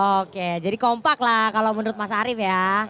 oke jadi kompak lah kalau menurut mas arief ya